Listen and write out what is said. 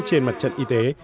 trên mặt trận y tế